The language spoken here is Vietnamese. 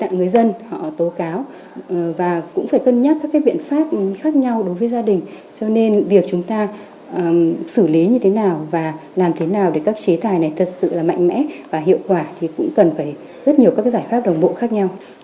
chúng ta cũng phải cân nhắc các cái biện pháp khác nhau đối với gia đình cho nên việc chúng ta xử lý như thế nào và làm thế nào để các chế tài này thật sự là mạnh mẽ và hiệu quả thì cũng cần phải rất nhiều các cái giải pháp đồng bộ khác nhau